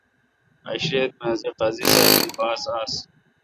عشریت می اسی قاضی ساب دی باس آس۔